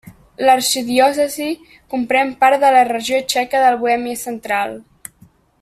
L'arxidiòcesi comprèn part de la regió txeca de la Bohèmia Central.